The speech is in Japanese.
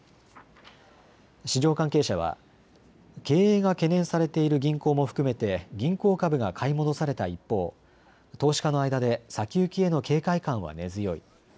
市場関係者は経営が懸念されている銀行も含めて銀行株が買い戻された一方、投資家の間で先行きへの警戒感は根強い。